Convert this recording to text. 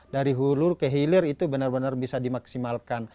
dari hulu ke hilir itu benar benar bisa dimaksimalkan